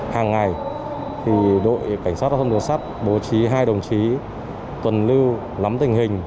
hàng ngày đội cảnh sát giao thông đường sắt bố trí hai đồng chí tuần lưu lắm tình hình